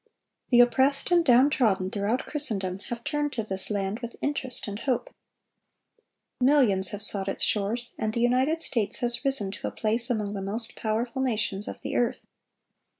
The oppressed and down trodden throughout Christendom have turned to this land with interest and hope. Millions have sought its shores, and the United States has risen to a place among the most powerful nations of the earth.